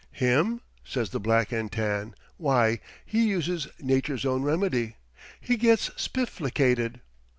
"Him?" says the black and tan. "Why, he uses Nature's Own Remedy. He gets spifflicated.